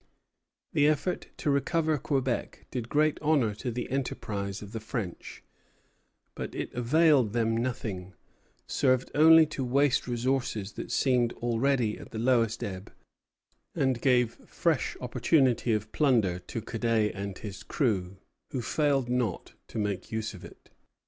The effort to recover Quebec did great honor to the enterprise of the French; but it availed them nothing, served only to waste resources that seemed already at the lowest ebb, and gave fresh opportunity of plunder to Cadet and his crew, who failed not to make use of it.